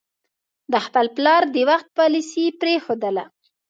د خپل پلار د وخت پالیسي پرېښودله.